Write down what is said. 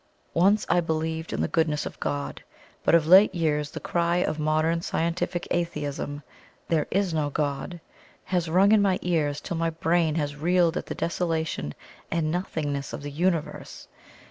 Once I believed in the goodness of God but of late years the cry of modern scientific atheism, 'There is NO God,' has rung in my ears till my brain has reeled at the desolation and nothingness of the Universe.